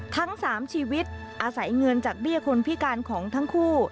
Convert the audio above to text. ทั้ง๓ชีวิตอาศัยเงินจากเบี้ยคนพิการของทั้งคู่